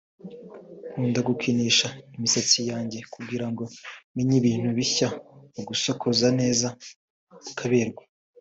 « Nkunda gukinisha imisatsi yanjye kugira ngo menye ibintu bishya mu gusokoza neza ukaberwa